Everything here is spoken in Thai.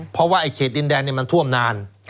เพราะว่าไอ้เขตดินแดงมันท่วมนาน